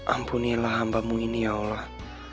ampunilah hambamu ini ya allah